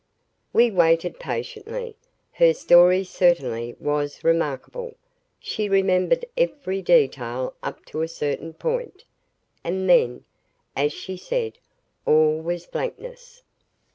We waited patiently. Her story certainly was remarkable. She remembered every detail up to a certain point and then, as she said, all was blankness.